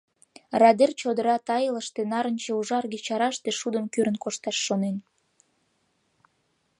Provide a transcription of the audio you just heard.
Радер чодыра тайылыште нарынче-ужарге чараште шудым кӱрын кошташ шонен.